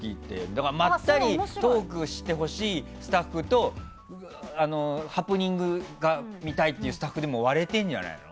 だから、まったりトークしてほしいスタッフとハプニングが見たいというスタッフで割れるんじゃないの？